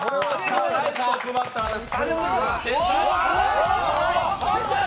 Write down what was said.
ナイストップバッターです。